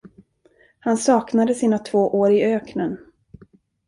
Han saknade sina två år i öknen.